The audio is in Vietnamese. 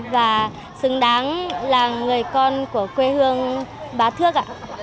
và xứng đáng là người con của quê hương bá thước ạ